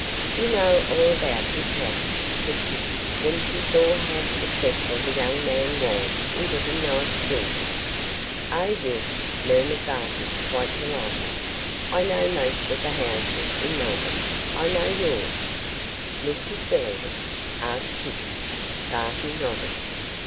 'You know all about this house,' said Kitty, when she saw how successful the young man was in getting nice things. 'Oh, yes,' murmured Barty, quite delighted, 'I know most of the houses in Melbourne I know yours.' 'Mrs Villiers'?' asked Kitty. Barty nodded.